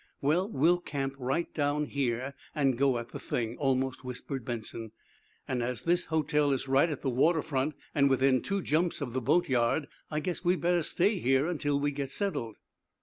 "Well, we'll camp right down here and go at the thing," almost whispered Benson. "And, as this hotel is right at the water front, and within two jumps of the boatyard, I guess we'd better stay here until we get settled."